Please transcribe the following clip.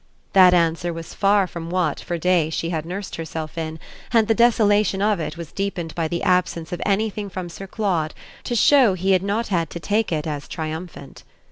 That answer was far from what, for days, she had nursed herself in, and the desolation of it was deepened by the absence of anything from Sir Claude to show he had not had to take it as triumphant.